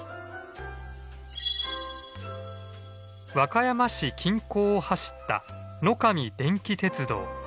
和歌山市近郊を走った野上電気鉄道。